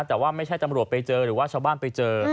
แต่ว่าไม่ใช่ตำรวจไปเจอหรือว่าชาวบ้านไปเจอ